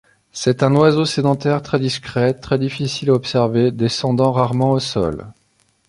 C'est un oiseau sédentaire très discret, très difficile à observer, descendant rarement au sol.